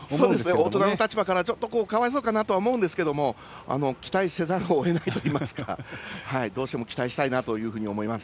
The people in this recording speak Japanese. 大人の立場からかわいそうかなと思うんですが期待せざるを得ないというかどうしても期待したいと思います。